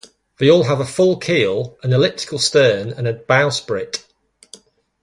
They all have a full keel, an elliptical stern and a bowsprit.